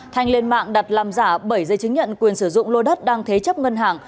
thanh lên mạng đặt làm giả bảy dây chứng nhận quyền sử dụng lô đất đang thế chấp ngân hàng